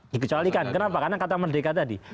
dikecualikan kenapa karena kata merdeka tadi